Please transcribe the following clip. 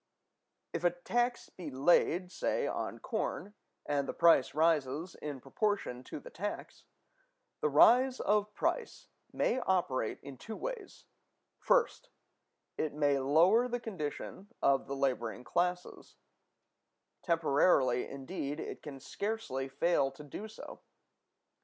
If a tax be laid, say on corn, and the price rises in proportion to the tax, the rise of price may operate in two ways: First, it may lower the condition of the laboring classes; temporarily, indeed, it can scarcely fail to do so.